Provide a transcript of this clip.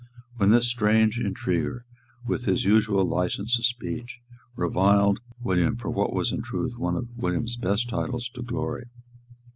Then this strange intriguer, with his usual license of speech, reviled William for what was in truth one of William's best titles to glory.